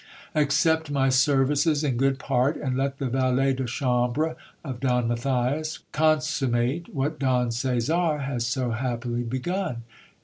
Accept my services in good part, and let the valet de chambre of Don Matthias consummate what Don Caesar has so happily begun.